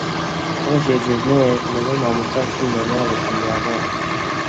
ڕۆژی جێژنەیەک لەگەڵ مامۆستا چووینە ماڵی عەلیاغا